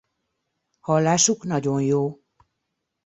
Hallásuk nagyon jó.